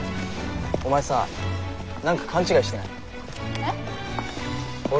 お前さ何か勘違いしてない？